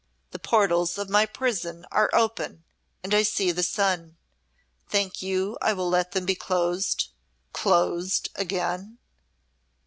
The portals of my prison are open and I see the sun. Think you I will let them be closed be closed again?"